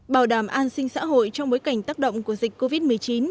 bảo đảm an sinh xã hội trong bối cảnh tác động của dịch covid một mươi chín